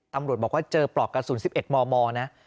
ตำรวจบอกว่าเจอปลอกกระสุน๑๑มมนะ